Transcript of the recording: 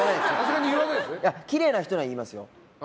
きれいな人には言いますよ。